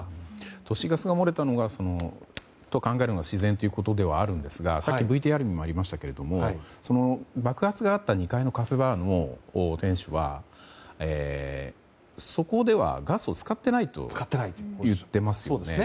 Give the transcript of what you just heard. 都市ガスが漏れたと考えるのが自然だとＶＴＲにもありましたが爆発があった２階のカフェバーの店主はそこではガスを使ってないと言ってますよね。